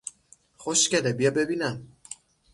خوشگله، بیا ببینم!